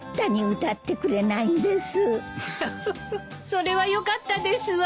それはよかったですわ。